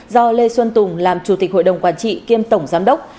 do lê xuân tùng làm chủ tịch hội đồng quản trị kiêm tổng giám đốc